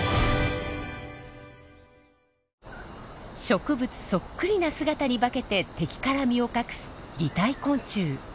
植物そっくりな姿に化けて敵から身を隠す「擬態昆虫」。